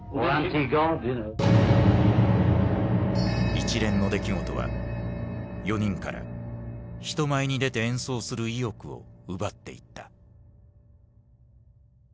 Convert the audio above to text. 一連の出来事は４人から人前に出て演奏する意欲を奪っていった。